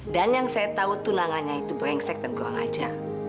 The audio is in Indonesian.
dan yang saya tahu tunangannya itu berengsek dan goreng aja